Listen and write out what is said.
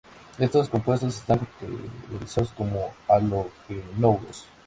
Estos compuestos están categorizados como halogenuros.